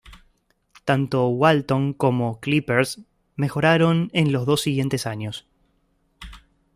Tanto Walton como los Clippers mejoraron en los dos siguientes años.